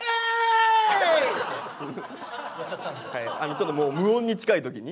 ちょっと無音に近い時に？